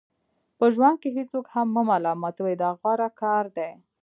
په ژوند کې هیڅوک هم مه ملامتوئ دا غوره کار دی.